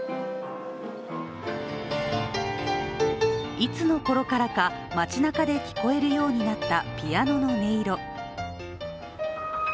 いつの頃からか街なかで聞こえるようになったピアノの音色。